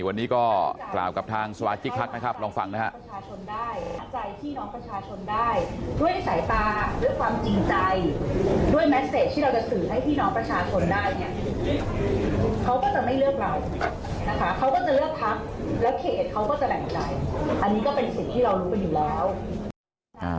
วันนี้ก็กล่าวกับทางสมาชิกพักนะครับลองฟังนะครับ